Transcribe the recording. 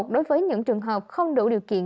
đối với những trường hợp không đủ điều kiện